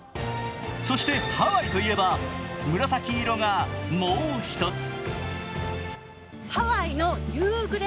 そしてハワイといえば紫色がもう一つ。